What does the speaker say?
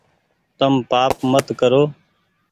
تم پآپ مت ڪرو